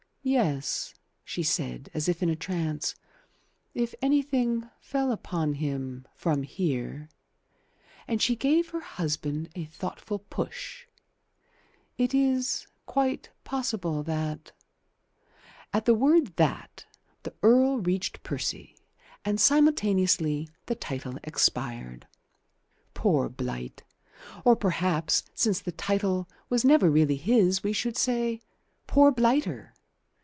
"Yes," she said, as if in a trance, "if anything fell upon him from here " and she gave her husband a thoughtful push "it is quite possible that " At the word "that" the Earl reached Percy, and simultaneously the title expired. Poor Blight! or perhaps, since the title was never really his, we should say "Poor Blighter!"